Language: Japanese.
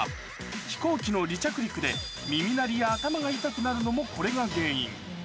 飛行機の離着陸で耳鳴りや頭が痛くなるのもこれが原因。